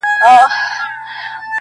اشعار چي ده د خپل نسل څخه